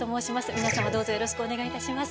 皆様どうぞよろしくお願いいたします。